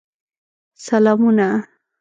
سلامونه.